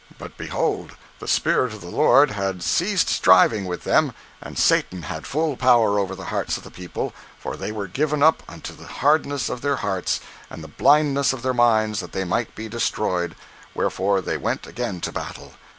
But behold, the Spirit of the Lord had ceased striving with them, and Satan had full power over the hearts of the people, for they were given up unto the hardness of their hearts, and the blindness of their minds that they might be destroyed; wherefore they went again to battle.